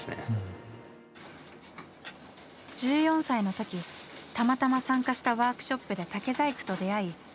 １４歳の時たまたま参加したワークショップで竹細工と出会い